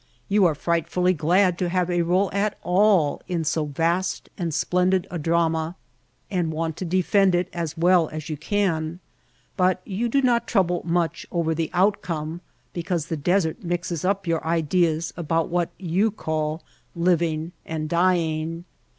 You are frightfully glad to have a role at all in so vast and splendid a drama and want to defend it as w^ell as you can, but you do not trouble much over the out come because the desert mixes up your ideas about what you call living and dying.